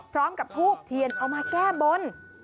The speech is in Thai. พร้อมกับทูบเทียนเอามาแก้บน